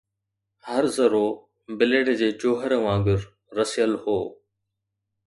هر ذرو، بليڊ جي جوهر وانگر، رسيل هو